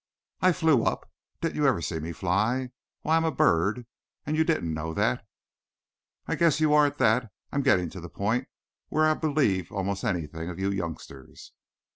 "I flew up. Didn't you ever see me fly? Why, I am a bird. And you didn't know that?" "I I guess you are, at that. I am getting to the point where I'll believe almost anything of you youngsters.